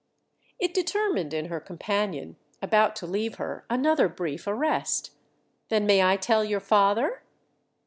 It determined in her companion, about to leave her, another brief arrest. "Then may I tell your father?"